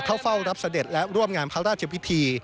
เข้าเฝ้ารับเสด็จและร่วมงานพระราชพิธี